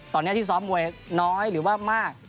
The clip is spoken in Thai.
ตอนนี้ที่ซ้อมมวยน้อยหรือว่ามาก